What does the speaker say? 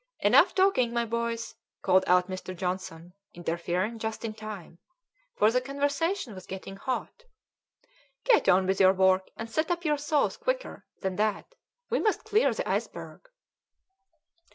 "Enough talking, my boys," called out Mr. Johnson, interfering just in time, for the conversation was getting hot. "Get on with your work, and set up your saws quicker than that. We must clear the iceberg."